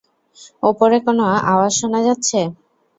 ওপরে কোন আওয়াজ শোনা যাচ্ছে।